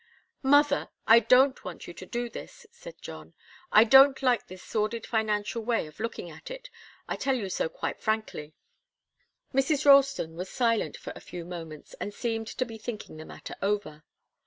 "Mother I don't want you to do this," said John. "I don't like this sordid financial way of looking at it I tell you so quite frankly." Mrs. Ralston was silent for a few moments, and seemed to be thinking the matter over.